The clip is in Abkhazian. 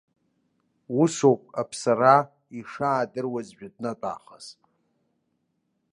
Усоуп аԥсараа ишаадыруаз жәытәнатәаахыс.